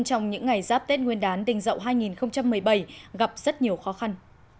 trong những ngày giáp tết nguyên đán đình dậu hai nghìn một mươi bảy gặp rất nhiều khó khăn